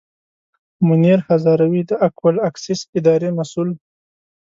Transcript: منیر هزاروي د اکول اکسیس اداري مسوول.